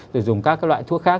rồi dùng các loại thuốc khác